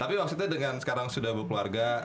tapi maksudnya dengan sekarang sudah berkeluarga